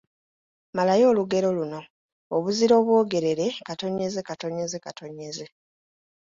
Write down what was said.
Malayo olugero luno: Obuzira obwogerere, …..